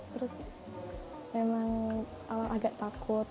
terus memang awal agak takut